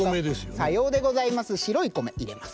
さようでございます。